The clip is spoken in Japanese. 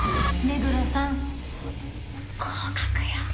目黒さん合格よ。